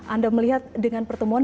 anda melihat dengan pertemuan